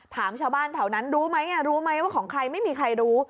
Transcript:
ถามชาวบ้านแถวนั้นรู้ไหมรู้ไหมว่าของใครไม่มีใครรู้